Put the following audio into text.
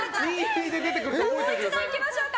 もう一度行きましょうか。